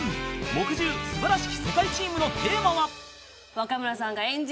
［木１０『この素晴らしき世界』チームのテーマは］